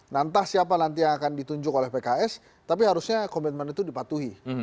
nah entah siapa nanti yang akan ditunjuk oleh pks tapi harusnya komitmen itu dipatuhi